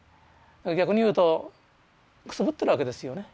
だから逆に言うとくすぶってるわけですよね。